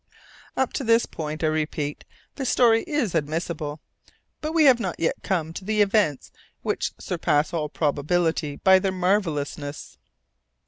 Up to this point, I repeat, the story is admissible, but we have not yet come to the events which "surpass all probability by their marvellousness."